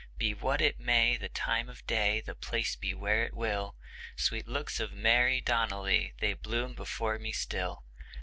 Be what it may the time of day, the place be where it will, Sweet looks of Mary Donnelly, they bloom before me still.